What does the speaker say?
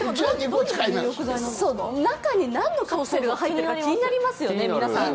中に何が入ってるか気になりますよね、皆さん。